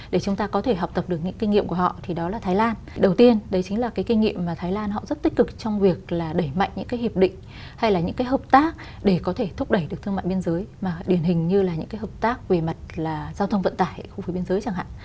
để chúng ta có thể học tập được những kinh nghiệm của họ thì đó là thái lan đầu tiên đấy chính là cái kinh nghiệm mà thái lan họ rất tích cực trong việc là đẩy mạnh những cái hiệp định hay là những cái hợp tác để có thể thúc đẩy được thương mại biên giới mà điển hình như là những cái hợp tác về mặt giao thông vận tải khu vực biên giới chẳng hạn